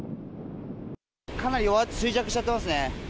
かなり弱って、衰弱しちゃってますね。